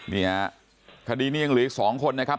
นี่ฮะคดีนี้ยังเหลืออีก๒คนนะครับ